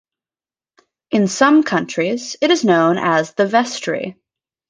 In some countries, it is known as the vestry.